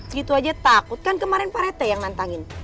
gitu aja takut kan kemarin parete yang nantangin